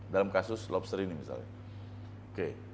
dalam kasus lobster ini misalnya oke